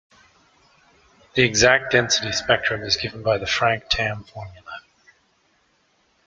The exact density spectrum is given by the Frank-Tamm formula.